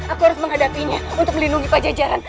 aku harus menghadapinya untuk melindungi pajajaran